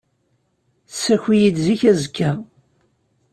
Ssaki-iyi-d zik azekka.